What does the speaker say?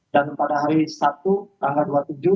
dan pada hari sabtu tanggal dua puluh tujuh